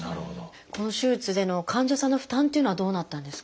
この手術での患者さんの負担っていうのはどうなったんですか？